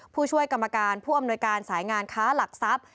ผู้ช่วยกรรมการผู้อำนวยการสายงานค้าหลักทรัพย์